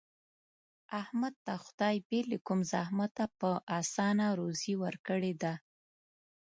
احمد ته خدای بې له کوم زحمته په اسانه روزي ورکړې ده.